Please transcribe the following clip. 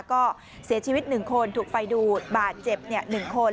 ก็เสียชีวิต๑คนถูกไฟดูดบาดเจ็บ๑คน